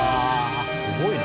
すごいな。